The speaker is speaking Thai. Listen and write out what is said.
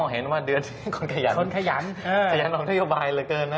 เห็นว่าเดือนคนขยันคนขยันขยันออกนโยบายเหลือเกินนะ